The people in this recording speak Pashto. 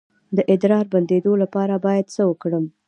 د ادرار د بندیدو لپاره باید څه وکړم؟